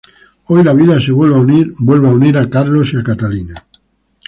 Hoy la vida vuelve a unir a Carlos y a Catalina...